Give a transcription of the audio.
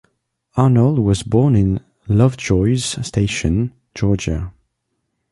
Arnold was born in Lovejoy's Station, Georgia.